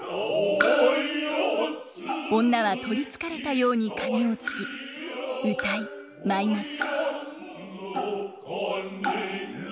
女は取りつかれたように鐘を撞き謡い舞います。